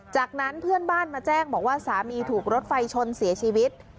จากนั้นเพื่อนบ้านมาแจ้งบอกว่าสามีถูกรถไฟชนเสียชีวิต